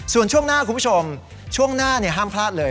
ส่วนช่วงหน้าคุณผู้ชมช่วงหน้าห้ามพลาดเลย